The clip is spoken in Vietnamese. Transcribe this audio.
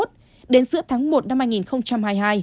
đến giữa tháng một năm hai nghìn hai mươi hai